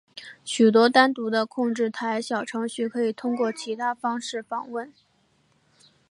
许多单独的控制台小程序可以通过其他方式访问。